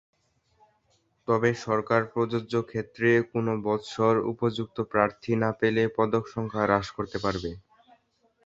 তবে সরকার প্রযোজ্য ক্ষেত্রে কোন বৎসর উপযুক্ত প্রার্থী না পেলে পদক সংখ্যা হ্রাস করতে পারবে।